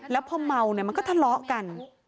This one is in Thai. แล้วพอเมามันก็ทะเลาะกัน